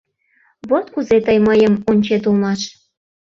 Вот кузе тый мыйым ончет улмаш!